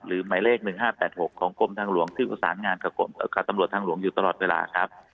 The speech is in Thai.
หมายเลข๑๕๘๖ของกรมทางหลวงที่ประสานงานกับตำรวจทางหลวงอยู่ตลอดเวลาครับ